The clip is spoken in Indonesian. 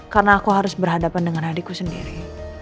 karena aku harus berhadapan dengan adikku sendiri